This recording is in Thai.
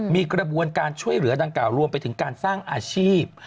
มีกระบวนการช่วยเหลือดังกล่ารวมไปถึงการสร้างอาชีพ